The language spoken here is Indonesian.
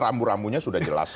rambu rambunya sudah jelas